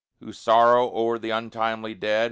Who sorrow o'er the untimely dead?